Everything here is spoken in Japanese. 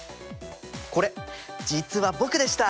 これ実は僕でした。